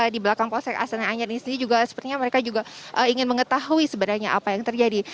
di belakang polsek astana anyar ini sendiri juga sepertinya mereka juga ingin mengetahui sebenarnya apa yang terjadi